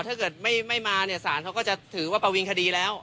ถ้าเกิดไม่มาเนี่ยสารเขาก็จะถือว่าประวิงคดีแล้ว